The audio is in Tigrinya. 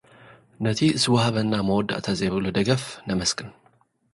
ነቲ ዝውሃበና መወዳእታ ዘይብሉ ደገፍ ነመስግን!